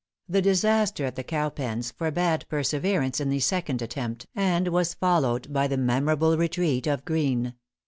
The disaster at the Cowpens forbade perseverance in the second attempt and was followed by the memorable retreat of Greene.